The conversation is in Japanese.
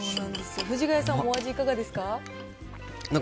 藤ヶ谷さんもお味いかがですか？